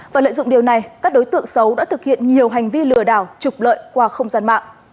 và lợi dụng điều này các đối tượng xấu đã thực hiện nhiều hành vi lừa đảo trục lợi qua không gian mạng